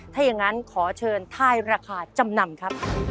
ถ้าอย่างนั้นขอเชิญทายราคาจำนำครับ